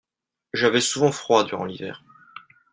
j'avais souvent froid durant l'hiver.